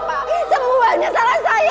tolong tolong semuanya salah saya